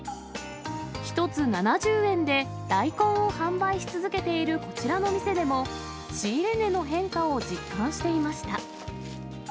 １つ７０円で大根を販売し続けているこちらの店でも、仕入れ値の変化を実感していました。